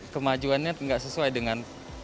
kemajuannya nggak sesuai dengan